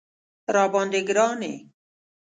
راباندې ګران یې